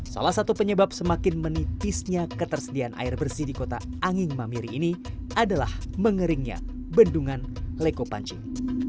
salah satu penyebab semakin menipisnya ketersediaan air bersih di kota angin mamiri ini adalah mengeringnya bendungan leko pancing